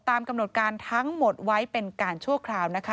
ตามกำหนดการทั้งหมดไว้เป็นการชั่วคราวนะคะ